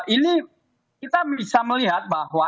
ini kita bisa melihat bahwa